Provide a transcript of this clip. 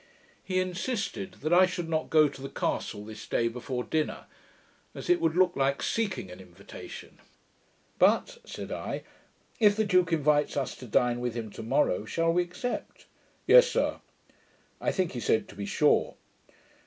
He insisted that I should not go to the castle this day before dinner, as it would look like seeking an invitation. 'But,' said I, 'if the duke invites us to dine with him to morrow, shall we accept?' 'Yes, sir,' I think he said, 'to be sure.'